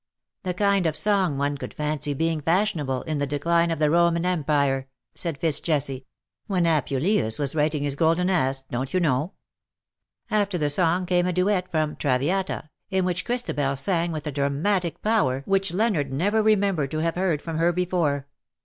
" The kind of song one could fancy being fashionable in the decline of the Roman Empire,^"* said Fitz Jesse, "when Apuleius was writing his ' Golden Ass,^ don't you know.'' After the song came a duet from " Traviata," in which Christabel sang with a dramatic power which 122 Leonard never remembered to have heard from her before.